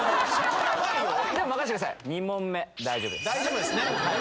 まだ大丈夫ですね